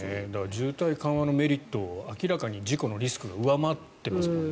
渋滞緩和のメリットより明らかに事故のリスクが上回ってますもんね。